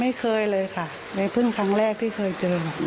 ไม่เคยเลยค่ะในเพิ่งครั้งแรกที่เคยเจอ